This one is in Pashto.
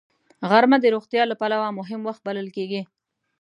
غرمه د روغتیا له پلوه مهم وخت بلل کېږي